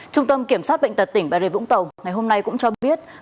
trung tâm kiểm soát bệnh tật tỉnh bà rê vũng tàu ngày hôm nay cũng cho biết